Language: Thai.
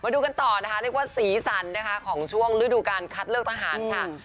ดูกันต่อเรียกว่าสีสันของช่วงฤดูการคัดเลือกทหาร